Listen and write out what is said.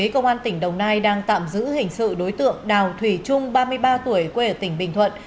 công an tỉnh đồng nai đang tạm giữ hình sự đối tượng đào thủy trung ba mươi ba tuổi quê ở tỉnh bình thuận